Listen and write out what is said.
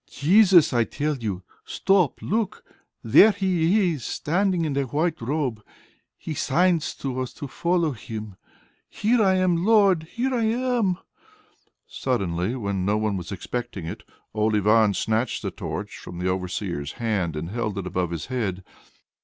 "Jesus, I tell you. Stop! Look! There He is standing, in a white robe. He signs to us to follow Him.... Here I am, Lord! Here I am!" Suddenly, when no one was expecting it, old Ivan snatched the torch from the overseer's hand, and held it above his head.